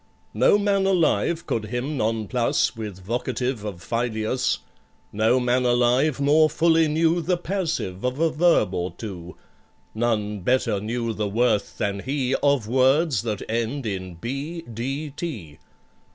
No man alive could him nonplus With vocative of filius; No man alive more fully knew The passive of a verb or two; None better knew the worth than he Of words that end in b, d, t.